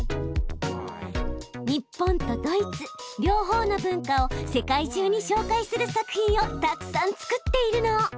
日本とドイツ両方の文化を世界中にしょうかいする作品をたくさん作っているの。